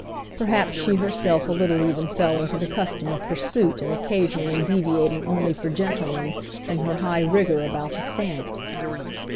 Perhaps she herself a little even fell into the custom of pursuit in occasionally deviating only for gentlemen from her high rigour about the stamps.